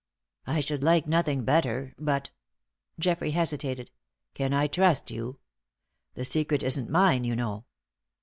"I should like nothing better. But," Geoffrey hesitated, "can I trust you? The secret isn't mine, you know."